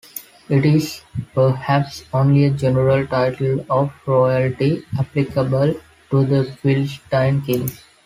It is perhaps only a general title of royalty, applicable to the Philistine kings.